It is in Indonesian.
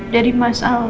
jadi mas al